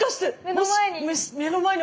今目の前に。